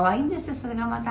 それがまた」